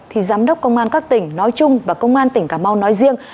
thì giám đốc công an các tỉnh nói chung và công an tỉnh cà mau nói riêng